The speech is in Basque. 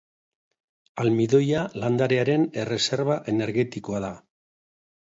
Almidoia landarearen erreserba energetikoa da.